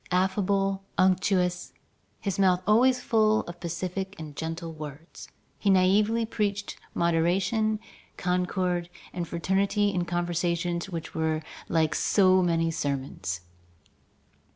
Affable, unctuous, his mouth always full of pacific and gentle words, he naïvely preached moderation, concord, and fraternity in conversations which were like so many sermons.